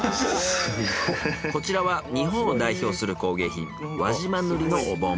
こちらは日本を代表する工芸品輪島塗のお盆。